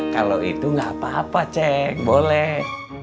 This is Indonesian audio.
kalau itu gak apa apa c boleh